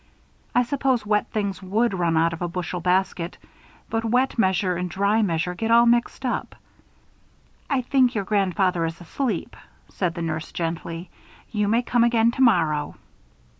I suppose wet things would run out of a bushel basket, but wet measure and dry measure get all mixed up " "I think your grandfather is asleep," said the nurse, gently. "You may come again tomorrow."